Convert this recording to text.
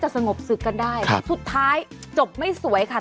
สงบศึกกันได้สุดท้ายจบไม่สวยค่ะ